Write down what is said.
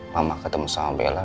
mama ketemu sama bella